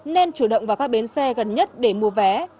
nên chủ động vào các bến xe gần nhất để mua vé